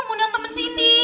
sini mau undang temen sini